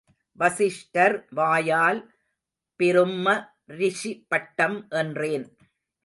வஸிஷ்டர் வாயால் பிரும்ம ரிஷி பட்டம் என்றேன்.